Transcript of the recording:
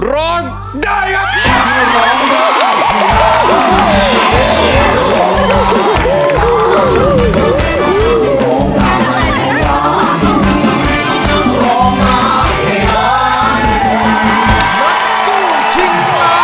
ร้องได้ครับ